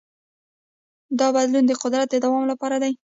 دا بدلون د قدرت د دوام لپاره دی.